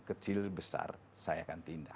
kecil besar saya akan tindak